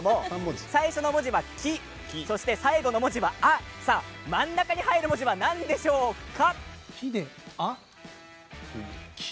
最初の文字は、き最後の文字が、あ真ん中に入る文字はなんでしょうか？